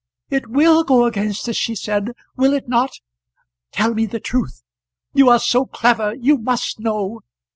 "It will go against us," she said. "Will it not? tell me the truth. You are so clever, you must know.